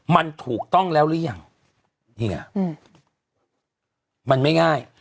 มันถูกต้องแล้วหรือยังนี่ไงมันไม่ง่าย